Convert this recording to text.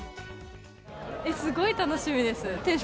すごい楽しみです。